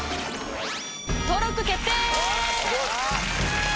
登録決定！